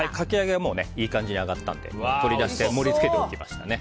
かき揚げはいい感じに揚がったので取り出して盛り付けておきました。